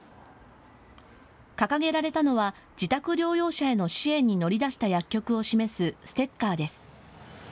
掲げられたのは自宅療養者への支援に乗り出した薬局を示すステッカーです。